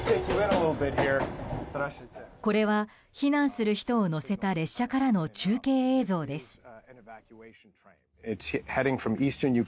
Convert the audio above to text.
これは、避難する人を乗せた列車からの中継映像です。